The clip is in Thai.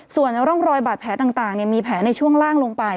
ส่วนร่องรอยบาดแผลต่างมีแผลในช่วงล่างลงไป